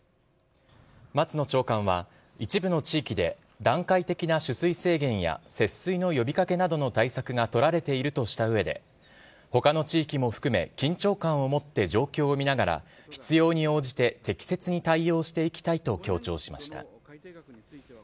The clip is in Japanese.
松野長官は、一部の地域で、段階的な取水制限や節水の呼びかけなどの対策が取られているとしたうえで、ほかの地域も含め、緊張感を持って状況を見ながら、必要に応じて、適切に対応していきたいと強調しました。